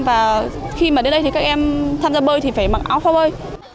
và khi mà đến đây thì các em tham gia bơi thì phải mặc áo phao bơi